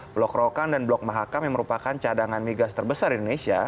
blok rokan dan blok mahakam yang merupakan cadangan migas terbesar di indonesia